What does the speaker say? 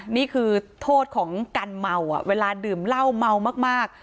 นี่คือโทษของการเมาเวลาดื่มเหล้าเมามาก